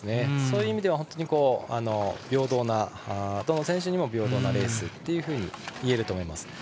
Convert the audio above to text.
そういう意味ではどの選手にも平等なレースだといえると思います。